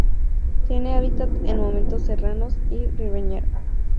Tiene hábitat en montes serranos y ribereños.